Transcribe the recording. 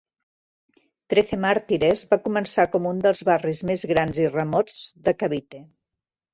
Trece Martires va començar com un dels barris més grans i remots de Cavite.